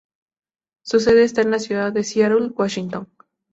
Su sede está en la ciudad de Seattle, Washington.